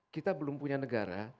kita belum punya negara